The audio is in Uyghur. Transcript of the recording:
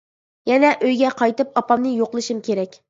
يەنە ئۆيگە قايتىپ ئاپامنى يوقلىشىم كېرەك.